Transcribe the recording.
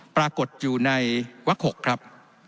ปรากฏอยู่ในวัก๖ครับ